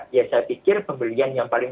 ya saya pikir pembelian yang paling